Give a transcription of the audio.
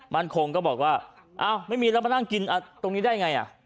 มั่นคงก็บอกว่าอ้าวไม่มีแล้วมานั่งกินตรงนี้ได้ไงอ่ะ